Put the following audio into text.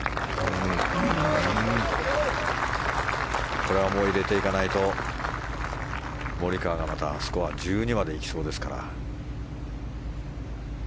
これはもう入れていかないとモリカワがまたスコアが１２まで行きそうですから。